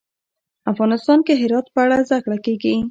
افغانستان کې د هرات په اړه زده کړه کېږي.